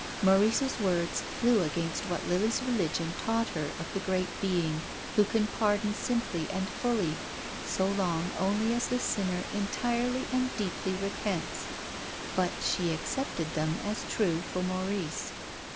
Maurice's words flew against what Lily's religion taught her of the Great Being who can pardon simply and fully so long only as the sinner entirely and deeply repents. But she ac cepted them as true for Maurice.